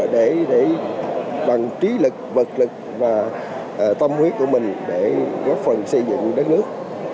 để bằng trí lực vật lực và tâm huyết của mình để góp phần xây dựng đất nước